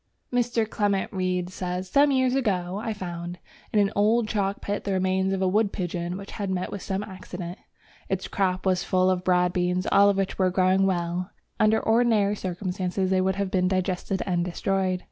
Mr. Clement Reid says: "Some years ago I found ... in an old chalk pit the remains of a wood pigeon which had met with some accident. Its crop was full of broad beans, all of which were growing well, though under ordinary circumstances they would have been digested and destroyed."